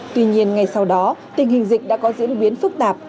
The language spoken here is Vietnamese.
tuy nhiên ngay sau đó tình hình dịch đã có diễn biến phức tạp